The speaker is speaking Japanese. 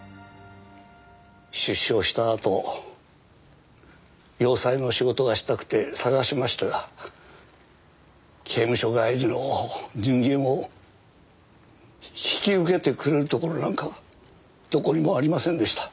出所したあと洋裁の仕事がしたくて探しましたが刑務所帰りの人間を引き受けてくれるところなんかどこにもありませんでした。